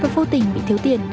vô tình bị thiếu tiền